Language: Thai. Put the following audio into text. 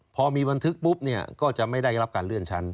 พอมีบันทึกปุ๊บเนี่ยก็จะไม่ได้รับการเลื่อนชั้น